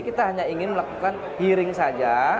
kita hanya ingin melakukan hearing saja